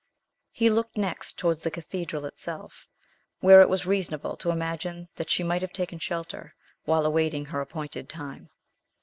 He looked next towards the cathedral itself, where it was reasonable to imagine that she might have taken shelter, while awaiting her appointed time.